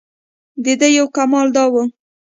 دده یو کمال دا و.